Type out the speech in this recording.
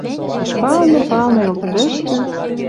«Пиш палны, палны, Йыл тӹрӹштӹ